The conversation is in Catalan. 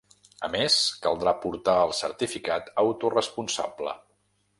A més, caldrà portar el certificat autoresponsable.